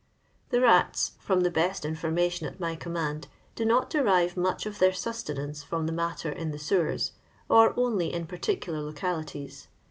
The mts, from the best information at my com mand, do not derive much of their sustenance from the matter in the sewers, or only in par ticular localities.